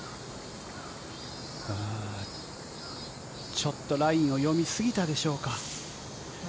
ちょっとラインを読み過ぎたでしょうか。